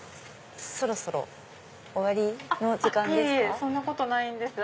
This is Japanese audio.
そろそろ終わりの時間ですか？